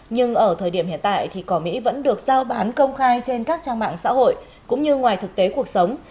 nhưng ở thời điểm hiện tại thì cỏ mỹ vẫn được giao bán công khai trên các trang mạng xã hội cũng như ngoài thực tế cuộc sống